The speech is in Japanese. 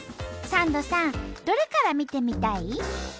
サンドさんどれから見てみたい？